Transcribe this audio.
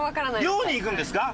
漁に行くんですか？